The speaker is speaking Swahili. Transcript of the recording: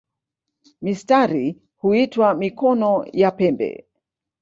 Mistari huitwa "mikono" ya pembe.